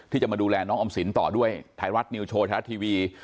ที่จะมาดูแลน้องออมสินต่อด้วยไทยรัฐนิวโชว์ไทยรัฐทีวี